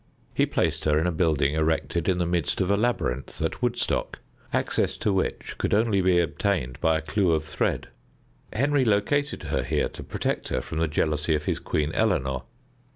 He placed her in a building erected in the midst of a labyrinth at Woodstock, access to which could only be obtained by a clew of thread. Henry located her here to protect her from the jealousy of his queen Eleanor.